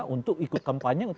untuk ikut kampanye